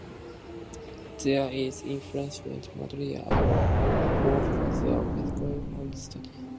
There is insufficient material available for further verification and study.